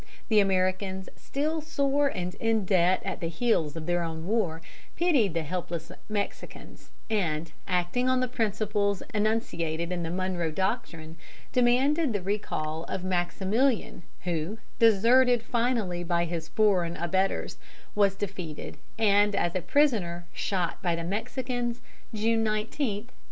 The Americans, still sore and in debt at the heels of their own war, pitied the helpless Mexicans, and, acting on the principles enunciated in the Monroe Doctrine, demanded the recall of Maximilian, who, deserted finally by his foreign abettors, was defeated and as a prisoner shot by the Mexicans, June 19, 1867.